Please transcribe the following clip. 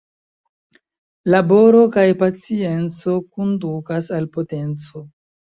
Laboro kaj pacienco kondukas al potenco.